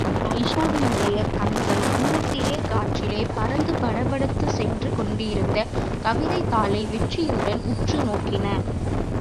அயீஷாவினுடைய கண்கள் தூரத்திலே காற்றிலே பறந்து படபடத்துச் சென்று கொண்டிருந்த கவிதைத் தாளை வெற்றியுடன் உற்று நோக்கின.